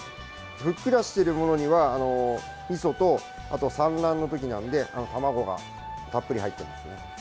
ふっくらしてるものには、みそとあと産卵のときなので卵がたっぷり入っています。